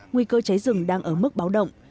nguy cơ cháy rừng đang ở mức báo động